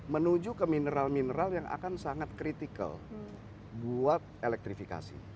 menuju ke mineral mineral yang akan sangat kritikal buat elektrifikasi